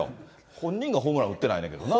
本人がホームランを打ってないんだけどな。